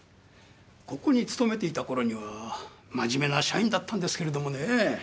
ここに勤めていた頃には真面目な社員だったんですけれどもねぇ。